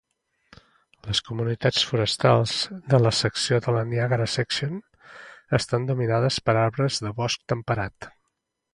Les comunitats forestals de la secció de la Niagara Section estan dominades per arbres de bosc temperat.